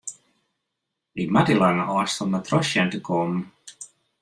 Ik moat dy lange ôfstân mar troch sjen te kommen.